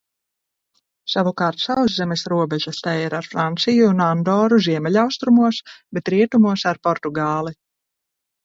Savukārt sauszemes robežas tai ir ar Franciju un Andoru ziemeļaustrumos, bet rietumos ar Portugāli.